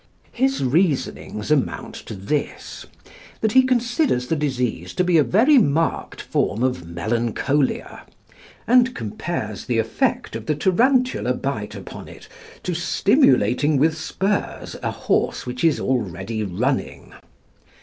His reasonings amount to this, that he considers the disease to be a very marked form of melancholia, and compares the effect of the tarantula bite upon it to stimulating with spurs a horse which is already running.